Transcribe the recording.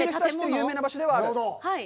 有名な場所ではある。